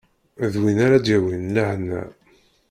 D win ara d-yawin lehna.